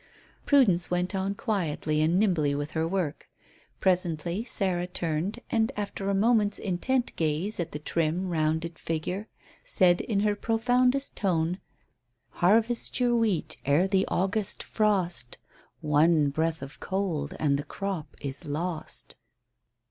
Prudence went on quietly and nimbly with her work. Presently Sarah turned, and after a moment's intent gaze at the trim, rounded figure, said in her profoundest tone "'Harvest your wheat ere the August frost; One breath of cold and the crop is lost.'"